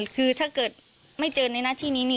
คือถ้าเกิดไม่เจอในหน้าที่นี้นี่